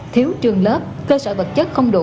thiếu trường lớp cơ sở vật chất không đủ